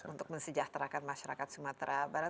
untuk mensejahterakan masyarakat sumatera barat